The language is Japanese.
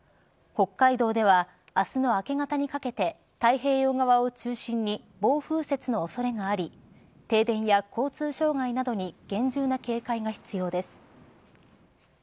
北海道では明日の明け方にかけて太平洋側を中心に暴風雪の恐れがあり停電や交通障害などに厳重な警戒が必要です。